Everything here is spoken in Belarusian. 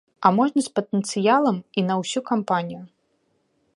А можа з патэнцыялам і на ўсю кампанію.